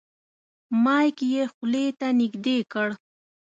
مایک یې خولې ته نږدې کړ.